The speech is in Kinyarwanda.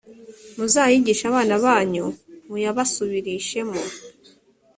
muzayigishe abana banyu, muyabasubirishemo